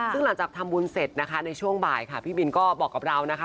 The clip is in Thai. ซึ่งหลังจากทำบุญเสร็จนะคะในช่วงบ่ายค่ะพี่บินก็บอกกับเรานะคะ